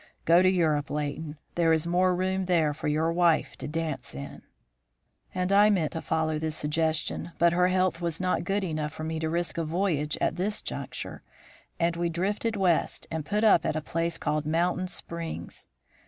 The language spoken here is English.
Go to Europe, Leighton; there is more room there for your wife to dance in.' "And I meant to follow this suggestion, but her health was not good enough for me to risk a voyage at this juncture, and we drifted West and put up at a place called Mountain Springs.